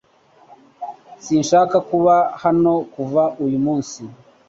Sinshaka kuba hano kuva uyu munsi